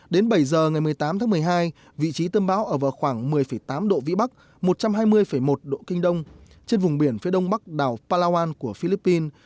đến bảy giờ ngày một mươi tám tháng một mươi hai vị trí tâm bão ở vào khoảng một mươi tám độ vĩ bắc một trăm hai mươi một độ kinh đông trên vùng biển phía đông bắc đảo palawan của philippines